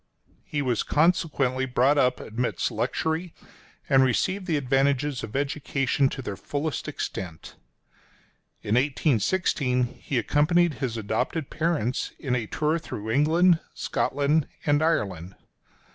He was consequently brought up amidst luxury, and received the advantages of education to their fullest extent. In 1816 he accompanied his adopted parents in a tour through England, Scotland and Ireland.